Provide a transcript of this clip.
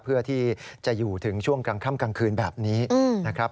เพื่อที่จะอยู่ถึงช่วงกลางค่ำกลางคืนแบบนี้นะครับ